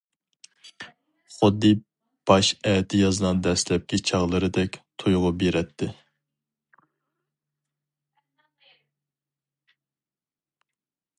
خۇددى باش ئەتىيازنىڭ دەسلەپكى چاغلىرىدەك تۇيغۇ بېرەتتى.